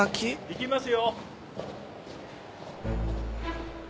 行きますよ。